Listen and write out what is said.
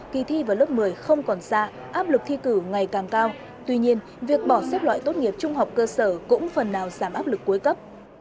kỳ thi vào lớp một mươi không còn xa áp lực thi cử ngày càng cao tuy nhiên việc bỏ xếp loại tốt nghiệp trung học cơ sở cũng phần nào giảm áp lực cuối cấp